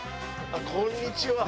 こんにちは。